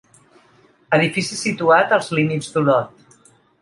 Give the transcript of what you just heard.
Edifici situat als límits d'Olot.